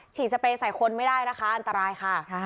สเปรย์ใส่คนไม่ได้นะคะอันตรายค่ะ